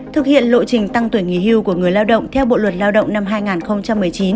thực hiện lộ trình tăng tuổi nghỉ hưu của người lao động theo bộ luật lao động năm hai nghìn một mươi chín